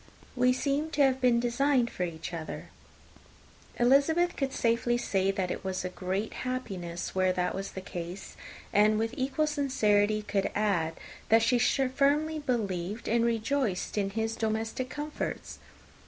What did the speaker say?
We seem to have been designed for each other." Elizabeth could safely say that it was a great happiness where that was the case, and with equal sincerity could add, that she firmly believed and rejoiced in his domestic comforts.